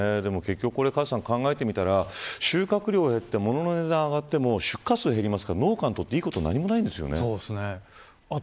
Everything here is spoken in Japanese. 考えてみたら、収穫量が減ってものの値段が上がっても出荷数が減りますから農家にとって良いこと何もないですよね。